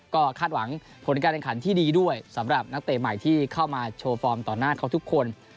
ก็คาดหวังผลการแข่งขันที่ดีด้วยสำหรับนักเตะใหม่ที่เข้ามาโชว์ฟอร์มต่อหน้าเขาทุกคน